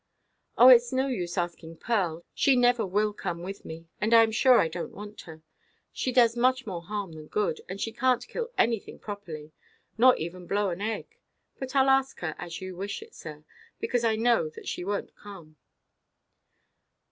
"Oh, itʼs no use asking Pearl; she never will come with me. And I am sure I donʼt want her. She does much more harm than good; she canʼt kill anything properly, nor even blow an egg. But Iʼll ask her, as you wish it, sir; because I know that she wonʼt come."